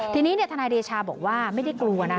ทีนี้ทนายเดชาบอกว่าไม่ได้กลัวนะ